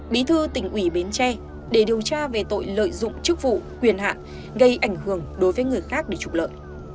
bí thư tỉnh ủy bến tre để điều tra về tội lợi dụng chức vụ quyền hạn gây ảnh hưởng đối với người khác để trục lợi